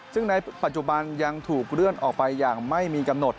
ซึ่งในปัจจุบันยังถูกเลื่อนออกไปอย่างไม่มีกำหนด